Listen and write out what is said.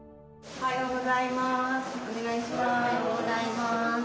おはようございます。